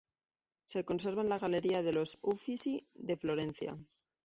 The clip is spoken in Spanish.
Se conserva en la Galería de los Uffizi de Florencia.